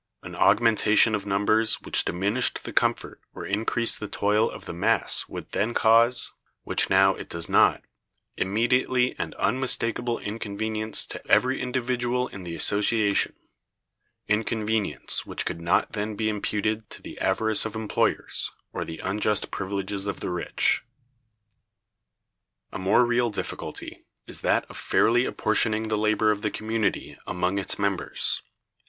An augmentation of numbers which diminished the comfort or increased the toil of the mass would then cause (which now it does not) immediate and unmistakable inconvenience to every individual in the association; inconvenience which could not then be imputed to the avarice of employers, or the unjust privileges of the rich. A more real difficulty is that of fairly apportioning the labor of the community among its members.